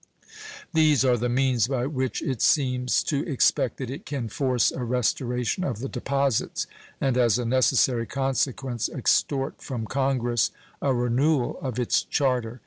These are the means by which it seems to expect that it can force a restoration of the deposits, and as a necessary consequence extort from Congress a renewal of its charter.